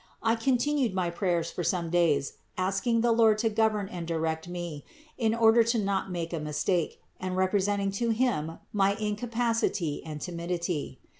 I continued my prayers for some days, asking the Lord to govern and INTRODUCTION 17 direct me in order not to make a mistake, and represent ing to Him my incapacity and timidity.